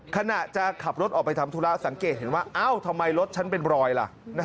ขณะจะขับรถออกไปทำธุระสังเกตเห็นว่าเอ้าทำไมรถฉันเป็นรอยล่ะ